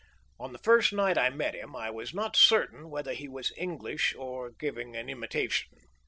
On the first night I met him I was not certain whether he was English or giving an imitation.